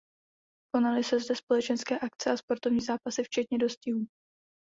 Konaly se zde společenské akce a sportovní zápasy včetně dostihů.